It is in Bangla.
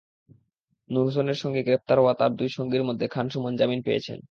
নূর হোসেনের সঙ্গে গ্রেপ্তার হওয়া তাঁর দুই সঙ্গীর মধ্যে খান সুমন জামিন পেয়েছেন।